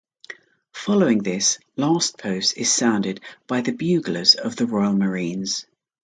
Following this, "Last Post" is sounded by the buglers of the Royal Marines.